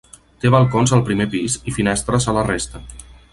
Té balcons al primer pis i finestres a la resta.